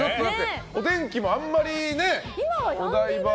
お天気もあんまりね、お台場。